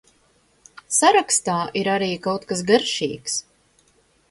Sarakstā ir arī kaut kas garšīgs.